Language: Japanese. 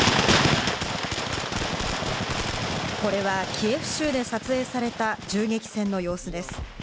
これはキエフ州で撮影された銃撃戦の様子です。